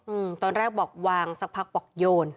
อืมตอนแรกบอกวางสักพักบอกโยน